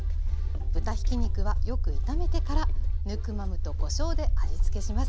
豚ひき肉はよく炒めてからヌクマムとこしょうで味つけします。